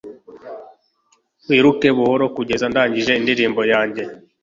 wiruke buhoro kugeza ndangije indirimbo yanjye